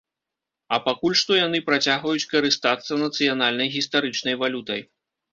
А пакуль што яны працягваюць карыстацца нацыянальнай гістарычнай валютай.